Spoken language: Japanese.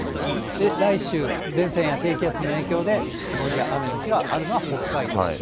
来週、前線や低気圧の影響で曇りや雨の日があるのは北海道です。